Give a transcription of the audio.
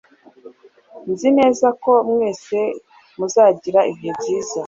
Nzi neza ko mwese muzagira ibihe byiza.